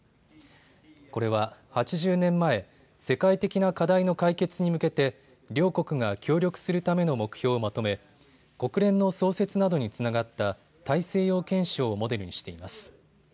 これは８０年前、世界的な課題の解決に向けて両国が協力するための目標をまとめ国連の創設などにつながった大西洋憲章をモデルにしています。